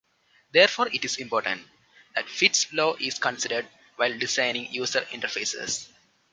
Therefore it is important, that Fitts' Law is considered while designing user interfaces.